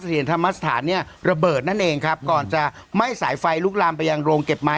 เหรียญธรรมสถานเนี่ยระเบิดนั่นเองครับก่อนจะไหม้สายไฟลุกลามไปยังโรงเก็บไม้